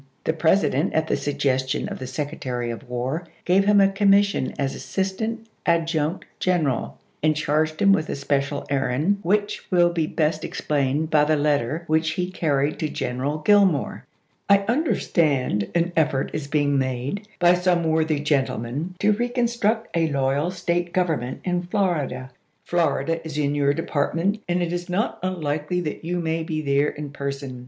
The President, at the suggestion of the Sec retary of War, gave him a commission as Assistant Adjutant General, and charged him with a special errand which will be best explained by the letter which he carried to General Gillmore: " I understand an effort is being made by some worthy gentlemen to reconstruct a loyal State gov ernment in Florida. Florida is in your depart ment, and it is not unlikely that you may be there in person.